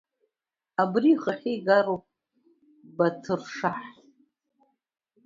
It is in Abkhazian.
Абри ихахьы игароуп Баҭыршаҳ.